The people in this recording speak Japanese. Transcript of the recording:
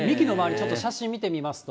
ちょっと写真見てみますと。